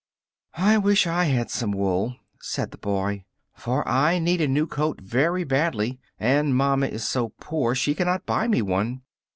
"I wish I had some wool," said the boy, "for I need a new coat very badly, and mamma is so poor she cannot buy me one."